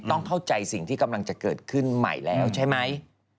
ต้องเข้าใจสิ่งที่กำลังจะเกิดขึ้นใหม่แล้วใช่ไหม